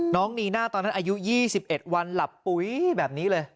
นีน่าตอนนั้นอายุ๒๑วันหลับปุ๋ยแบบนี้เลย